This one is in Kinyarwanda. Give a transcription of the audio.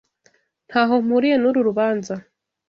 Ntaho mpuriye nuru rubanza.